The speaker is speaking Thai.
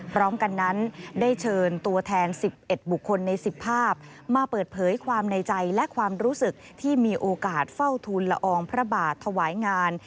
พร้อมกันนั้นได้เชิญตัวแทน๑๑บุคคลใน๑๐ภาพมาเปิดเผยความในใจและความรู้สึกที่มีโอกาสเฝ้าทุนละอองพระบาทถวายงาน